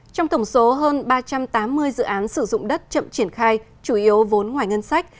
trong tổng số hơn ba trăm tám mươi dự án sử dụng đất chậm triển khai chủ yếu vốn ngoài ngân sách